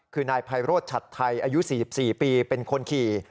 คือนายไพโรธชัดไทยอายุ๔๔ปีเป็นคนขี่